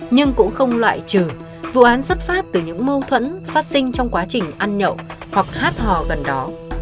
nhưng cũng không loại trừ vụ án xuất phát từ những mâu thuẫn phát sinh trong quá trình ăn nhậu hoặc hát hò gần đó